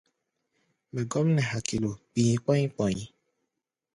Mɛ gɔ́m nɛ hakilo, kpi̧i̧ kpɔ̧́í̧ kpɔ̧í̧.